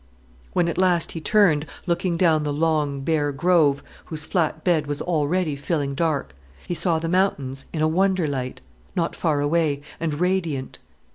When at last he turned, looking down the long, bare grove whose flat bed was already filling dark, he saw the mountains in a wonder light, not far away, and radiant.